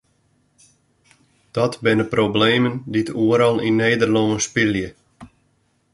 Dat binne problemen dy't oeral yn Nederlân spylje.